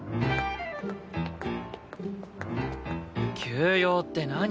急用って何？